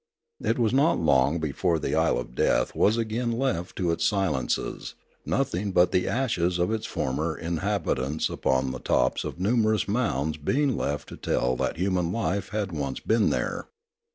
It was not long before the isle of death was again left to its silences, nothing but the ashes of its former inhabit ants upon the tops of numerous mounds being left to tell that human life had once been there.